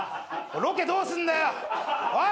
ロケどうすんだよおい！